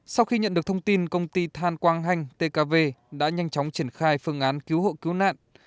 sau khi nhận được thông tin công ty than quang hanh tkv đã nhanh chóng triển khai phương án cứu hộ cứu nạn